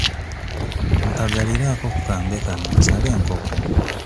Mpagaliraako ku kambe kano nsale enkoko.